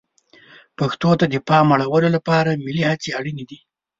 پښتو ته د پام اړولو لپاره ملي هڅې اړینې دي.